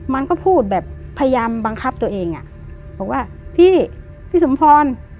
มันก็พูดแบบพยายามบังคับตัวเองอ่ะบอกว่าพี่พี่สมพร